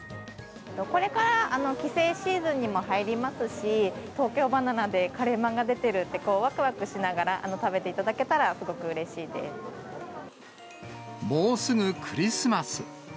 これから帰省シーズンにも入りますし、東京ばな奈でカレーまんが出てるって、わくわくしながら食べていもうすぐクリスマス。